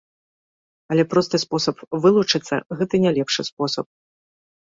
Але просты спосаб вылучыцца, гэта не лепшы спосаб.